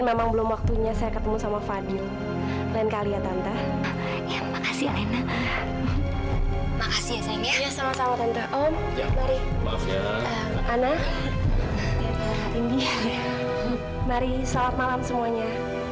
mari selamat malam semuanya